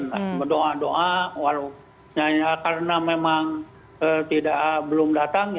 kita doa doa walaupun karena memang belum datang